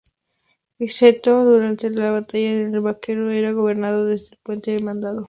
Excepto durante las batallas, el buque era gobernado desde el puente de mando.